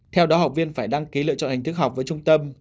theo đó học viên phải đăng ký lựa chọn hình thức học với trung tâm